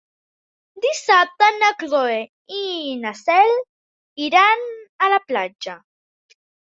Dissabte na Cloè i na Cel iran a la platja.